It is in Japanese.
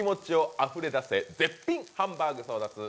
あふれ出せ、絶品ハンバーグ争奪！